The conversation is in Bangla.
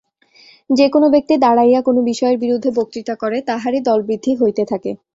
যে-কোন ব্যক্তি দাঁড়াইয়া কোন বিষয়ের বিরুদ্ধে বক্তৃতা করে, তাহারই দলবৃদ্ধি হইতে থাকে।